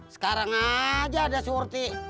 sekarang aja ada surti